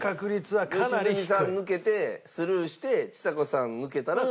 良純さん抜けてスルーしてちさ子さん抜けたら一茂さん。